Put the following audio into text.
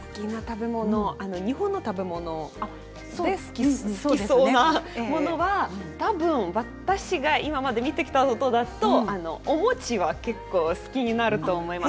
日本の食べ物で好きそうなものは多分私が今まで見たものだとお餅は結構好きになると思います。